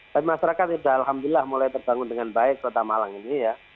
tapi masyarakat sudah alhamdulillah mulai terbangun dengan baik kota malang ini ya